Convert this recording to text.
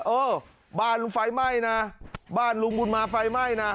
เออบ้านลุงไฟไหม้นะบ้านลุงบุญมาไฟไหม้นะ